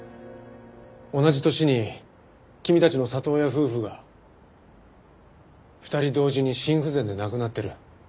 同じ年に君たちの里親夫婦が２人同時に心不全で亡くなってる。